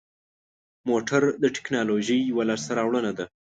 موټر د تکنالوژۍ یوه لاسته راوړنه ده.